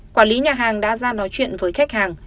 quản lý nhà hàng đã ra nói chuyện với khách hàng